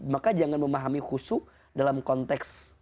maka jangan memahami khusyuk dalam konteks